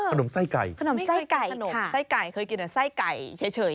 อ๋อขนมไส้ไก่ค่ะไม่เคยกินขนมไส้ไก่เคยกินแบบไส้ไก่เฉยเนี่ย